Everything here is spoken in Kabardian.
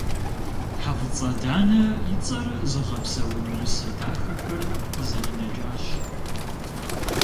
ХьэфӀыцӀэ Данэ и цӀэр зыгъэпсэун усэ дахэхэр къызэринэкӏащ.